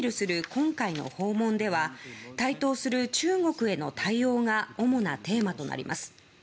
今回の訪問では台頭する中国への対応が主なテーマとなります。